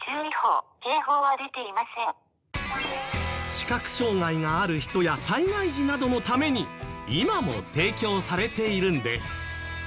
視覚障害がある人や災害時などのために今も提供されているんです。